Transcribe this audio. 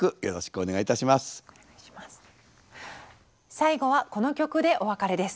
最後はこの曲でお別れです。